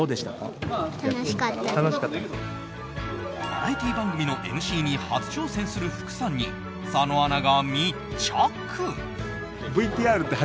バラエティー番組のＭＣに初挑戦する福さんに佐野アナが密着。